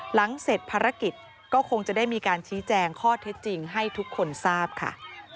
หลังเสร็จภารกิจก็คงจะได้มีการชี้แจงข้อเท็จจริงให้ทุกคนทราบค่ะ